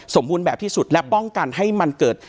สมบูรณ์แบบที่สุดและป้องกันให้มันเกิด